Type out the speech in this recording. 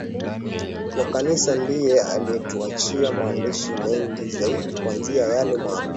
wa Kanisa ndiye aliyetuachia maandishi mengi zaidi kuanzia yale maarufu